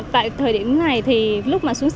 tại thời điểm này thì lúc mà xuống sân